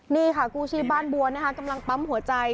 นี่ค่ะกู้ชีพบ้านบัวนะคะกำลังปั๊มหัวใจ